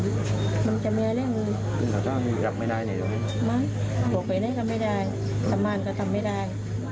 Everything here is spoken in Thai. บอกไปก็ทำไม่ได้สำมารถก็ทำไม่ได้